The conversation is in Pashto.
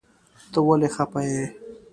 ته ولی خپه یی ؟